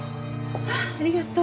あっありがとう！